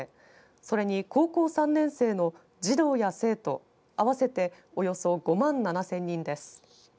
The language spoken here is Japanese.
それに高校３年生の児童や生徒合わせておよそ５万７０００人です。